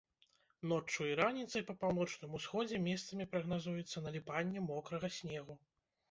Ноччу і раніцай па паўночным усходзе месцамі прагназуецца наліпанне мокрага снегу.